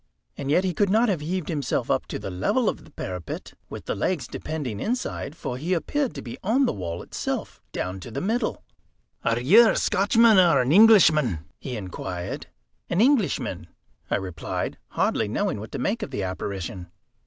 And yet he could not have heaved himself up to the level of the parapet, with the legs depending inside, for he appeared to be on the wall itself down to the middle. "Are you a Scotchman or an Englishman?" he inquired. "An Englishman," I replied, hardly knowing what to make of the apparition.